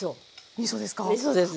みそですね。